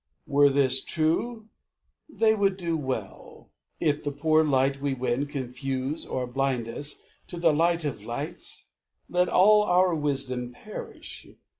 Were this true, They would do well. If the poor light we win Confuse or blind us, to the Light of lights, Let all our wisdom perish.